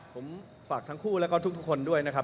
ผมฝากทั้งคู่แล้วก็ทุกคนด้วยนะครับ